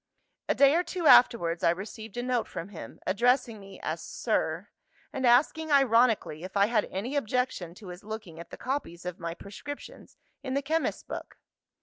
"A day or two afterwards, I received a note from him; addressing me as 'Sir,' and asking ironically if I had any objection to his looking at the copies of my prescriptions in the chemist's book.